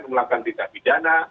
memulakan tindak pidana